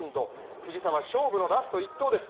藤澤、勝負のラスト一投です。